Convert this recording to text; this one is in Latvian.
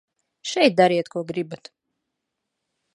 Šeit dariet, ko gribat.